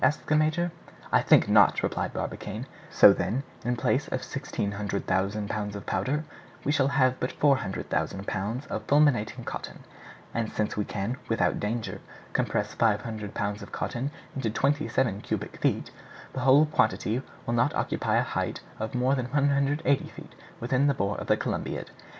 asked the major. "I think not," replied Barbicane. "So, then, in place of 1,600,000 pounds of powder, we shall have but 400,000 pounds of fulminating cotton; and since we can, without danger, compress 500 pounds of cotton into twenty seven cubic feet, the whole quantity will not occupy a height of more than 180 feet within the bore of the Columbiad.